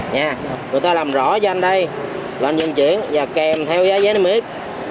người ta làm rõ cho anh đây rồi anh diễn chuyển và kèm theo giá vé niêm yết